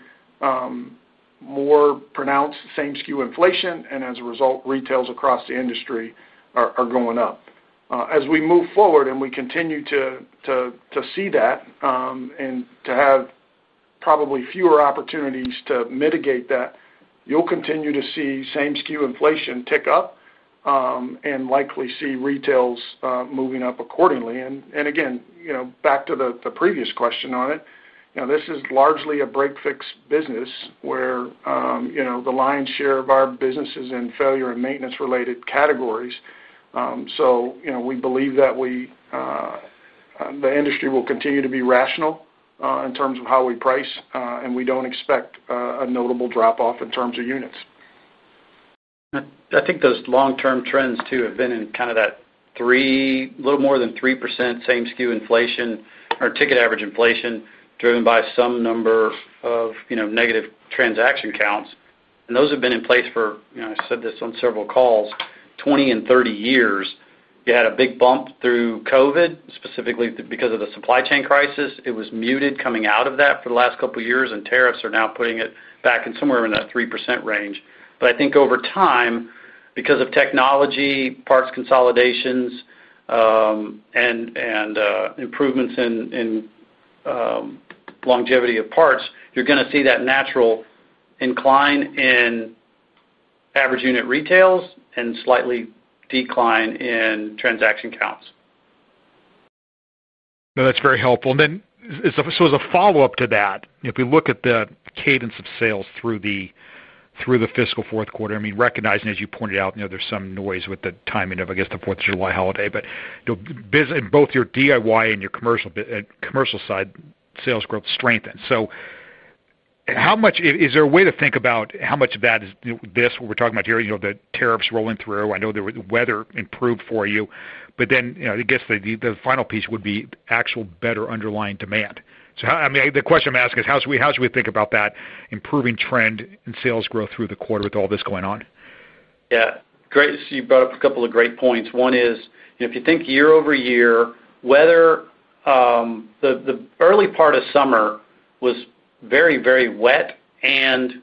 more pronounced same SKU inflation, and as a result, retails across the industry are going up. As we move forward and we continue to see that and to have probably fewer opportunities to mitigate that, you'll continue to see same SKU inflation tick up and likely see retails moving up accordingly. Again, back to the previous question on it, this is largely a break-fix business where the lion's share of our business is in failure and maintenance-related categories. We believe that the industry will continue to be rational in terms of how we price, and we don't expect a notable drop-off in terms of units. I think those long-term trends, too, have been in kind of that 3%, a little more than 3% same SKU inflation or ticket average inflation driven by some number of negative transaction counts. Those have been in place for, I said this on several calls, 20 and 30 years. You had a big bump through COVID, specifically because of the supply chain crisis. It was muted coming out of that for the last couple of years, and tariffs are now putting it back in somewhere in that 3% range. I think over time, because of technology, parts consolidations, and improvements in longevity of parts, you're going to see that natural incline in average unit retails and slightly decline in transaction counts. That's very helpful. As a follow-up to that, if we look at the cadence of sales through the fiscal fourth quarter, recognizing, as you pointed out, there's some noise with the timing of the 4th of July holiday, in both your DIY segment and your commercial side, sales growth strengthens. How much, is there a way to think about how much of that is what we're talking about here, the tariffs rolling through? I know the weather improved for you, but the final piece would be actual better underlying demand. The question I'm asking is how should we think about that improving trend in sales growth through the quarter with all this going on? Yeah, great. You brought up a couple of great points. One is, you know, if you think year over year, weather, the early part of summer was very, very wet and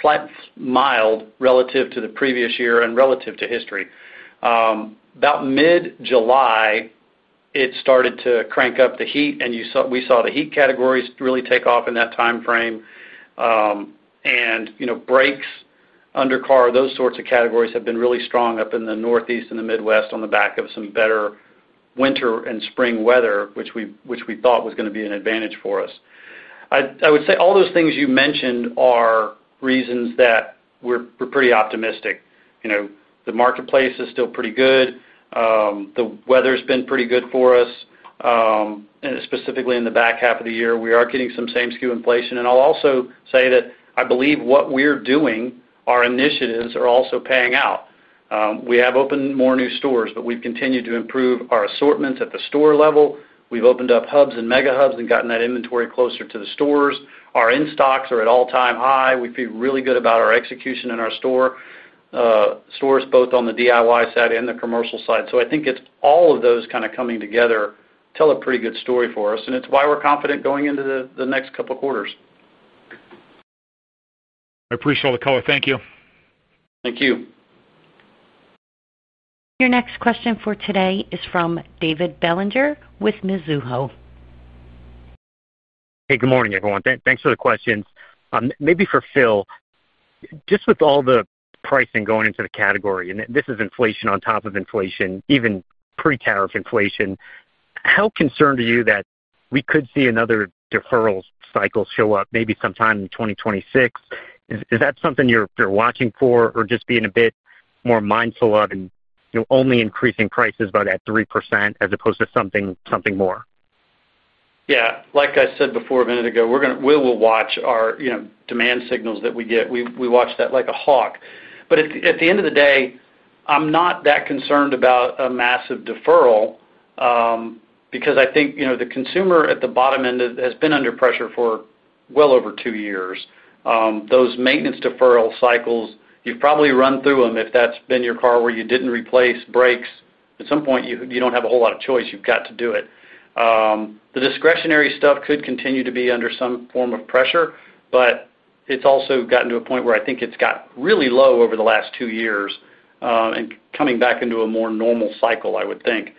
slightly mild relative to the previous year and relative to history. About mid-July, it started to crank up the heat, and we saw the heat categories really take off in that timeframe. Brakes, undercar, those sorts of categories have been really strong up in the Northeast and the Midwest on the back of some better winter and spring weather, which we thought was going to be an advantage for us. I would say all those things you mentioned are reasons that we're pretty optimistic. The marketplace is still pretty good. The weather's been pretty good for us, specifically in the back half of the year. We are getting some same SKU inflation. I'll also say that I believe what we're doing, our initiatives are also paying out. We have opened more new stores, but we've continued to improve our assortments at the store level. We've opened up hubs and megahubs and gotten that inventory closer to the stores. Our in-stocks are at all-time high. We feel really good about our execution in our stores, both on the DIY side and the commercial side. I think it's all of those kind of coming together tell a pretty good story for us. It's why we're confident going into the next couple of quarters. I appreciate all the color. Thank you. Thank you. Your next question for today is from David Bellinger with Mizuho Securities. Hey, good morning, everyone. Thanks for the question. Maybe for Phil, just with all the pricing going into the category, and this is inflation on top of inflation, even pre-tariff inflation, how concerned are you that we could see another deferral cycle show up maybe sometime in 2026? Is that something you're watching for or just being a bit more mindful of and only increasing prices by that 3% as opposed to something more? Like I said a minute ago, we'll watch our demand signals that we get. We watch that like a hawk. At the end of the day, I'm not that concerned about a massive deferral because I think the consumer at the bottom end has been under pressure for well over two years. Those maintenance deferral cycles, you've probably run through them if that's been your car where you didn't replace brakes. At some point, you don't have a whole lot of choice. You've got to do it. The discretionary stuff could continue to be under some form of pressure, but it's also gotten to a point where I think it's gotten really low over the last two years and coming back into a more normal cycle, I would think.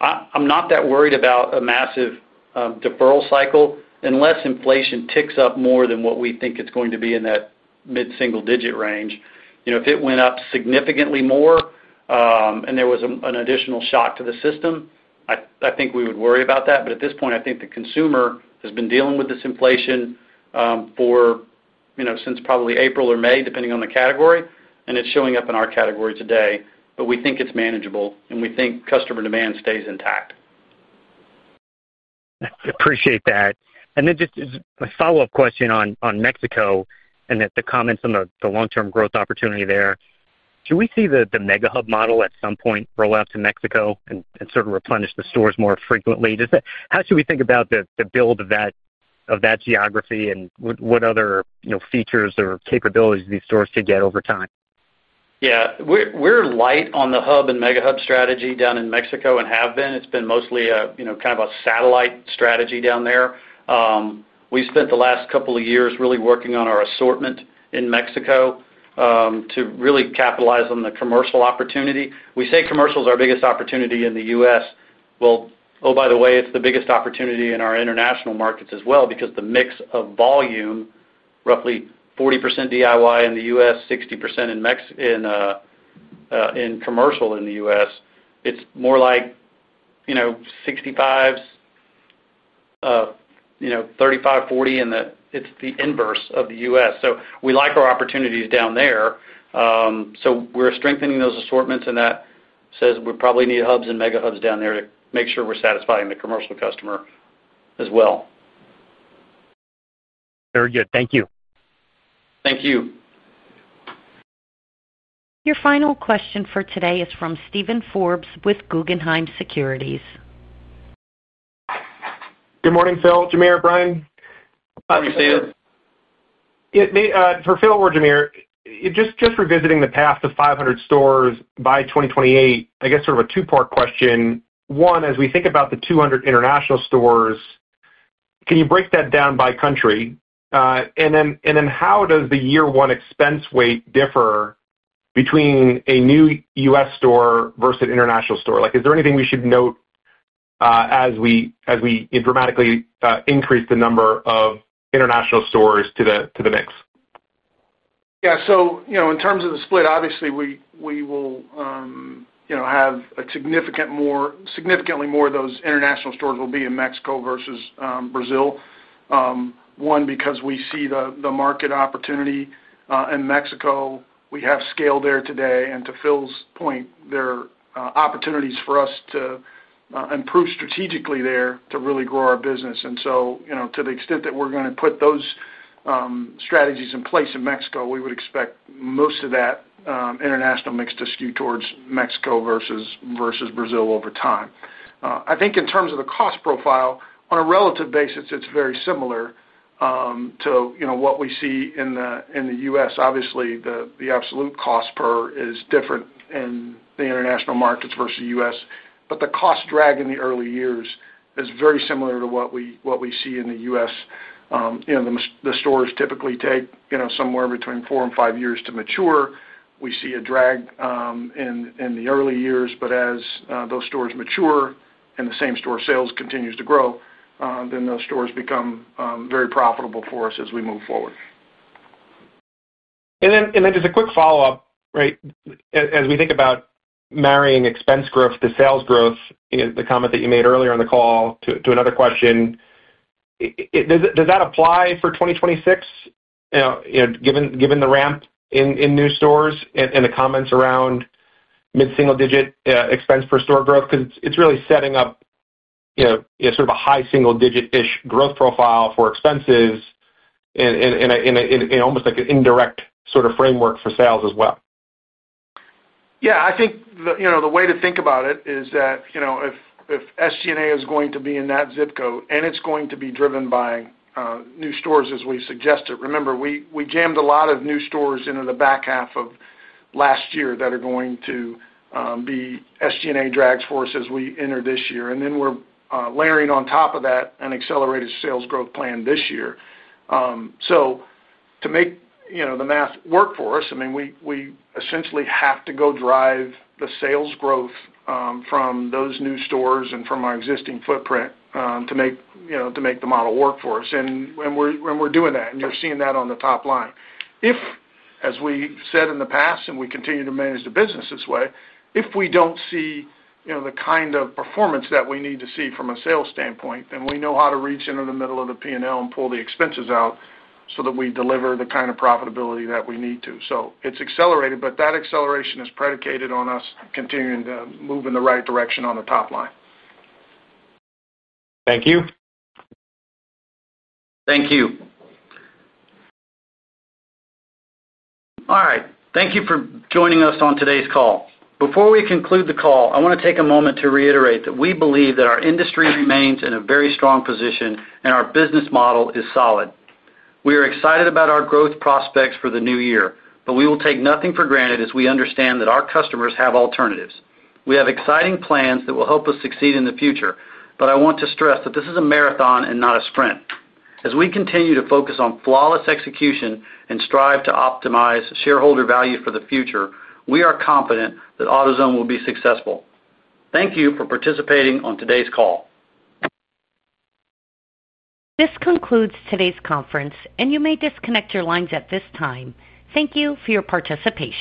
I'm not that worried about a massive deferral cycle unless inflation ticks up more than what we think it's going to be in that mid-single-digit range. If it went up significantly more and there was an additional shock to the system, I think we would worry about that. At this point, I think the consumer has been dealing with this inflation for, you know, since probably April or May, depending on the category, and it's showing up in our category today. We think it's manageable, and we think customer demand stays intact. Appreciate that. Just a follow-up question on Mexico and the comments on the long-term growth opportunity there. Should we see the megahub model at some point roll out to Mexico and sort of replenish the stores more frequently? How should we think about the build of that geography and what other features or capabilities these stores could get over time? Yeah, we're light on the hub and megahub strategy down in Mexico and have been. It's been mostly a kind of a satellite strategy down there. We've spent the last couple of years really working on our assortment in Mexico to really capitalize on the commercial opportunity. Commercial is our biggest opportunity in the U.S. By the way, it's the biggest opportunity in our international markets as well because the mix of volume, roughly 40% DIY in the U.S., 60% in commercial in the U.S. It's more like, you know, 65%, you know, 35%, 40%, and it's the inverse of the U.S. We like our opportunities down there. We're strengthening those assortments, and that says we probably need hubs and megahubs down there to make sure we're satisfying the commercial customer as well. Very good. Thank you. Thank you. Your final question for today is from Steven Forbes with Guggenheim Securities. Good morning, Phil, Jamere, Brian. Happy to see you. For Phil or Jamere, just revisiting the path to 500 stores by 2028, I guess sort of a two-part question. One, as we think about the 200 international stores, can you break that down by country? How does the year-one expense weight differ between a new U.S. store versus an international store? Is there anything we should note as we dramatically increase the number of international stores to the mix? Yeah, in terms of the split, obviously we will have significantly more of those international stores in Mexico versus Brazil. One, because we see the market opportunity in Mexico. We have scale there today, and to Phil's point, there are opportunities for us to improve strategically there to really grow our business. To the extent that we're going to put those strategies in place in Mexico, we would expect most of that international mix to skew towards Mexico versus Brazil over time. I think in terms of the cost profile, on a relative basis, it's very similar to what we see in the U.S. Obviously, the absolute cost per is different in the international markets versus the U.S., but the cost drag in the early years is very similar to what we see in the U.S. The stores typically take somewhere between four and five years to mature. We see a drag in the early years, but as those stores mature and the same-store sales continue to grow, those stores become very profitable for us as we move forward. Just a quick follow-up, right? As we think about marrying expense growth to sales growth, the comment that you made earlier on the call to another question, does that apply for 2026? You know, given the ramp in new stores and the comments around mid-single-digit expense per store growth, because it's really setting up, you know, sort of a high single-digit-ish growth profile for expenses and almost like an indirect sort of framework for sales as well. Yeah, I think the way to think about it is that if SG&A is going to be in that zip code and it's going to be driven by new stores, as we suggested, remember, we jammed a lot of new stores into the back half of last year that are going to be SG&A drags for us as we enter this year. Then we're layering on top of that an accelerated sales growth plan this year. To make the math work for us, we essentially have to go drive the sales growth from those new stores and from our existing footprint to make the model work for us. When we're doing that, and you're seeing that on the top line, if, as we said in the past and we continue to manage the business this way, if we don't see the kind of performance that we need to see from a sales standpoint, then we know how to reach into the middle of the P&L and pull the expenses out so that we deliver the kind of profitability that we need to. It's accelerated, but that acceleration is predicated on us continuing to move in the right direction on the top line. Thank you. Thank you. All right. Thank you for joining us on today's call. Before we conclude the call, I want to take a moment to reiterate that we believe that our industry remains in a very strong position and our business model is solid. We are excited about our growth prospects for the new year, but we will take nothing for granted as we understand that our customers have alternatives. We have exciting plans that will help us succeed in the future, but I want to stress that this is a marathon and not a sprint. As we continue to focus on flawless execution and strive to optimize shareholder value for the future, we are confident that AutoZone will be successful. Thank you for participating on today's call. This concludes today's conference, and you may disconnect your lines at this time. Thank you for your participation.